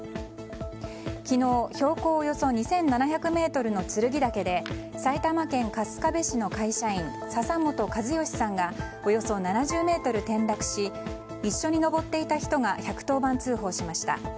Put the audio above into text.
昨日標高およそ２７００ｍの剱岳で埼玉県春日部市の会社員笹本和義さんがおよそ７０ｍ転落し一緒に登っていた人が１１０番通報しました。